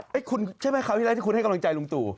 ให้คุณใช่ไหมคราวที่แล้วที่คุณให้กำลังใจลุงตู่